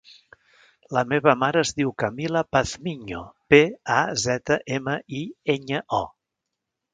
La meva mare es diu Camila Pazmiño: pe, a, zeta, ema, i, enya, o.